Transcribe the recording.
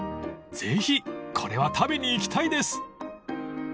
［ぜひこれは食べに行きたいです］